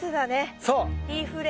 そう！